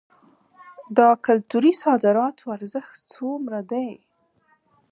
د کلتوري صادراتو ارزښت څومره دی؟